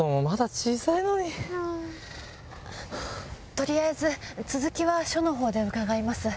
取りあえず続きは署のほうで伺います。